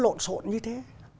nó lộn sộn như thế